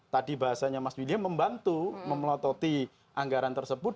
tadi bahasanya mas widya membantu memelototi anggaran tersebut